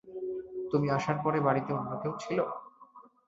তুমি আসার পরে বাড়িতে অন্য কেউ ছিল?